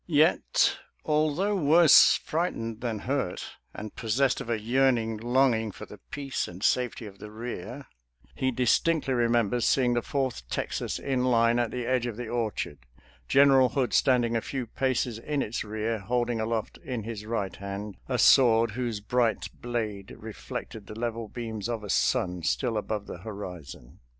Yet, although worse fright ened than hurt, and possessed of a yearning longing for the peace and safety of the rear, he distinctly remembers seeing the Fourth Texas in line at the edge of the orchard, General Hood standing a few paces in its rear, holding aloft in his right hand a sword whose bright blade reflected the level beams of a sun still above the horizon.